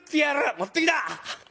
持ってきな！」。